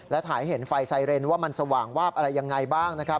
และถ่ายเห็นไฟไซเรนว่ามันสว่างวาบอะไรยังไงบ้างนะครับ